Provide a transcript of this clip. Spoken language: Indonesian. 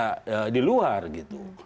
dia bisa diluar gitu